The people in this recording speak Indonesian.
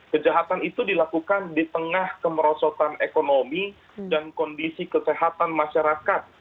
kejahatan itu dilakukan di tengah kemerosotan ekonomi dan kondisi kesehatan masyarakat